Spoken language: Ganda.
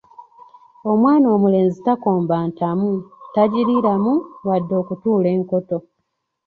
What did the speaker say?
Omwana omulenzi takomba ntamu, tagiriiramu wadde okutuula enkoto.